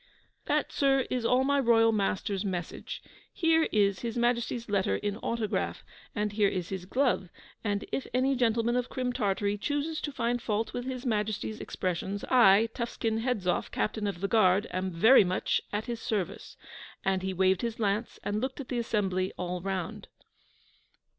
'That, sir, is all my royal master's message. Here is His Majesty's letter in autograph, and here is his glove, and if any gentleman of Crim Tartary chooses to find fault with His Majesty's expressions, I, Tuffskin Hedzoff, Captain of the Guard, am very much at his service,' and he waved his lance, and looked at the assembly all round.